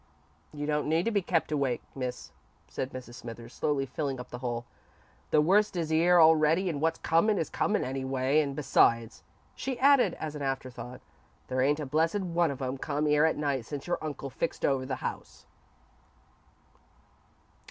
"You don't need to be kept awake, Miss," said Mrs. Smithers, slowly filling up the hole. "The worst is 'ere already and wot's comin' is comin' anyway, and besides," she added, as an afterthought, "there ain't a blessed one of 'em come 'ere at night since your uncle fixed over the house."